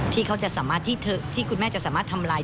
ที่คุณแม่จะสามารถทำลาย